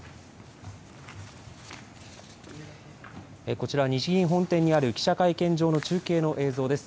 こちら、日銀本店にある記者会見場の中継の映像です。